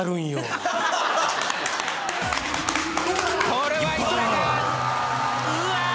これはいったか⁉うわ！